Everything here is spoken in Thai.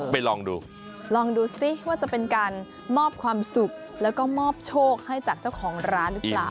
ลองดูลองดูซิว่าจะเป็นการมอบความสุขแล้วก็มอบโชคให้จากเจ้าของร้านหรือเปล่า